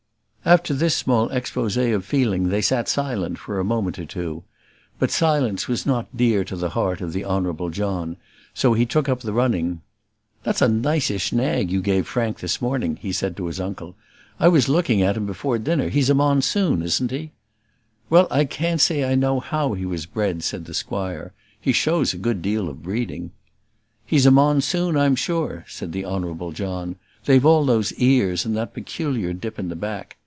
After this small exposé of feeling they sat silent for a moment or two. But silence was not dear to the heart of the Honourable John, and so he took up the running. "That's a niceish nag you gave Frank this morning," he said to his uncle. "I was looking at him before dinner. He is a Monsoon, isn't he?" "Well I can't say I know how he was bred," said the squire. "He shows a good deal of breeding." "He's a Monsoon, I'm sure," said the Honourable John. "They've all those ears, and that peculiar dip in the back.